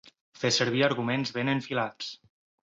Fer servir arguments ben enfilats.